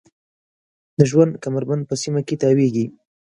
د ژوند کمربند په سیمه کې تاویږي.